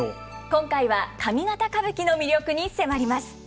今回は上方歌舞伎の魅力に迫ります。